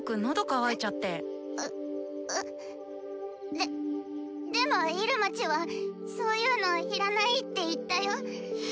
ででも入間ちはそういうの要らないって言ったよ？